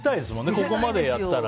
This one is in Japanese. ここまでやったら。